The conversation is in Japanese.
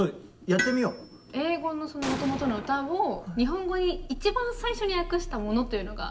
英語のそのもともとの歌を日本語に一番最初に訳したものというのが手に入っているので。